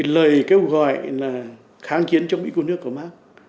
lời kêu gọi kháng chiến cho mỹ của nước của bác